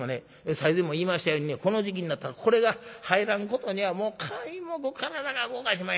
最前も言いましたようにねこの時期になったらこれが入らんことには皆目体が動かしまへんねやがな。